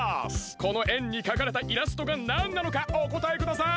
このえんにかかれたイラストがなんなのかおこたえください！